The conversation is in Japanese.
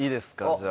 じゃあ。